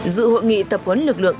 dự hội nghị tập huấn lực lượng